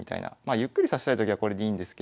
ゆっくり指したいときはこれでいいんですけど。